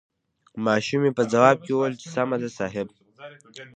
ماشومې په ځواب کې وويل چې سمه ده صاحب.